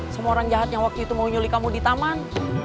semua orang jahat yang waktu itu mau nyuli kamu di taman